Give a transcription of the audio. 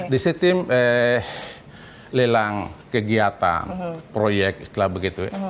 di sitim lelang kegiatan proyek setelah begitu